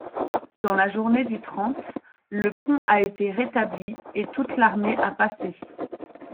Dans la journée du trente, le pont a été rétabli et toute l'armée a passé.